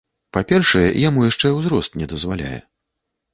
Па-першае, яму яшчэ узрост не дазваляе.